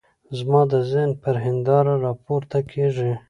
زما د ذهن پر هنداره را پورته کېږي.